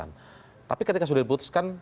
nanti diputuskan tapi ketika sudah diputuskan